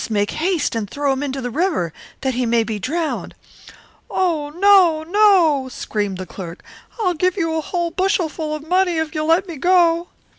I must throw him into the river, that he may be drowned." "Oh, no; oh, no," cried the sexton; "I will give you a whole bushel full of money if you will let me go.